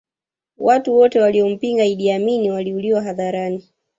watu wote waliompinga iddi amini waliuliwa hadharani